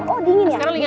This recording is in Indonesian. oh dingin ya